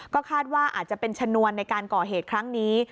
ก็คาดว่าอาจจะเป็นชนวนในการก่อเหตุครั้งนี้